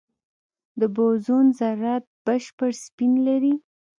د بوزون ذرات بشپړ سپین لري.